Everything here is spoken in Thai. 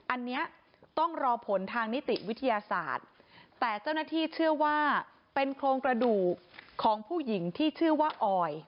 อันนี้ต้องรอผลทางนิติวิทยาศาสตร์แต่เจ้าหน้าที่เชื่อว่าเป็นโครงกระดูกของผู้หญิงที่ชื่อว่าออย